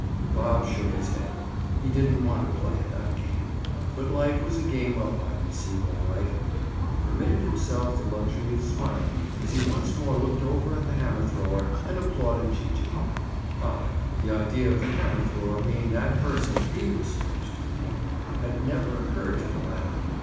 Bob shook his head. He didn't want to play at that game. But life was a game of hide and seek, all right. He permitted himself the luxury of smiling as he once more looked over at the hammer thrower and applauded Gee gee. Odd, the idea of the hammer thrower being that person he (Bob) was supposed to be, had never occurred to the latter!